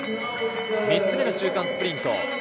３つ目の中間スプリント。